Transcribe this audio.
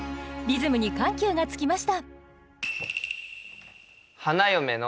リズムに緩急がつきました。